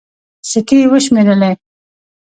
سيکې يې وشمېرلې.